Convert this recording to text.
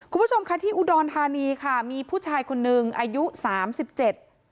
คุณผู้ชมค่ะที่อุดรธานีค่ะมีผู้ชายคนหนึ่งอายุสามสิบเจ็ด